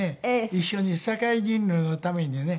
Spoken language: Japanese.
一緒に世界人類のためにね。